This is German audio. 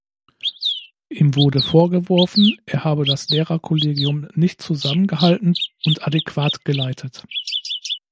Ihm wurde vorgeworfen, er habe das Lehrerkollegium nicht zusammengehalten und adäquat geleitet.